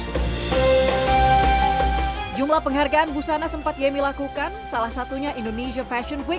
sejumlah penghargaan busana sempat yemi lakukan salah satunya indonesia fashion week dua ribu enam belas lalu